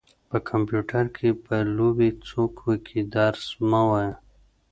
په کمپيوټر کې به لوبې څوک وکي درس مه وايه.